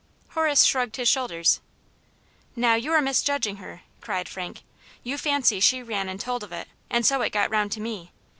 Horace shrugged his shoulders. "Now, you are misjudging her!" cried Frank. You fancy she ran and told of it, ^nd ^so it got round to me.